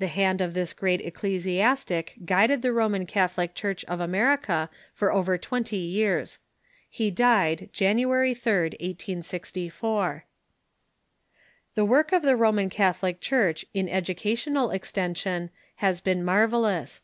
The hand of this great eccle siastic guided the Roman Catholic Church of America for over twenty years. He died January 3d, 1864. The work of the Roman Catholic Church in educational ex tension has been marvellous.